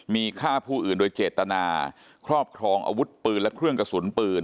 มีฆ่าผู้อื่นโดยเจตนาครอบครองอาวุธปืนและเครื่องกระสุนปืน